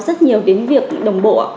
rất nhiều đến việc đồng bộ